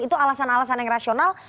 itu alasan alasan yang rasional